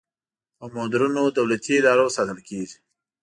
په مدرنو دولتي ادارو ساتل کیږي.